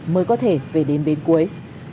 mới có thể về đến đến cuối